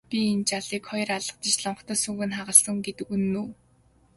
Чи энэ жаалыг хоёр алгадаж лонхтой сүүг нь хагалсан гэдэг үнэн үү?